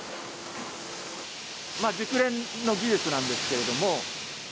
熟練の技術なんですけれども。